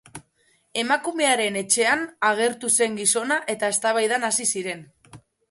Emakumearen etxean agertu zen gizona eta eztabaidan hasi ziren.